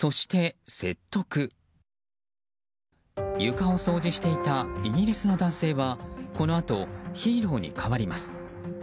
床を掃除していたイギリスの男性はこのあと、ヒーローに変わります。